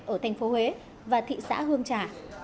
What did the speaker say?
ở thành phố huế và thị xã hương trả